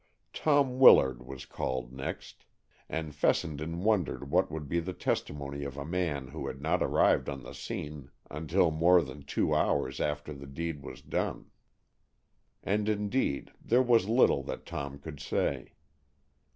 Tom Willard was called next, and Fessenden wondered what could be the testimony of a man who had not arrived on the scene until more than two hours after the deed was done. And indeed there was little that Tom could say.